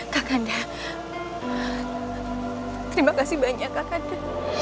kakanda terima kasih banyak kakanda